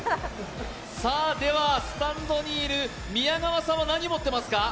では、スタンドにいる宮川さんは、何を持っていますか？